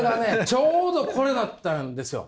ちょうどこれだったんですよ。